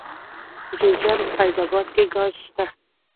د جوزجان په فیض اباد کې ګاز شته.